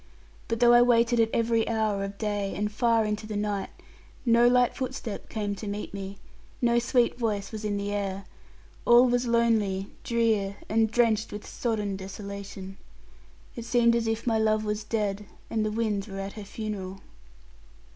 But though I waited at every hour of day, and far into the night, no light footstep came to meet me, no sweet voice was in the air; all was lonely, drear, and drenched with sodden desolation. It seemed as if my love was dead, and the winds were at her funeral.